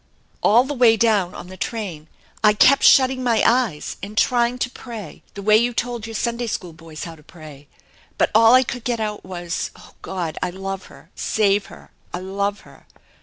All the way down on the train I 299 800 THE ENCHANTED BARN kept shutting my eyes and trying to pray the way yon told your Sunday School boys how to pray. But all I could get out was, 'Oh, God, I love her! Save her! I love her!'